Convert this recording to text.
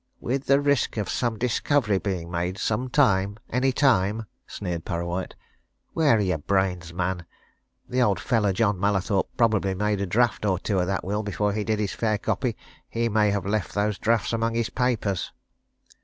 "With the risk of some discovery being made, some time, any time!" sneered Parrawhite. "Where are your brains, man? The old fellow, John Mallathorpe, probably made a draft or two of that will before he did his fair copy he may have left those drafts among his papers."